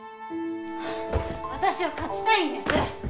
私は勝ちたいんです！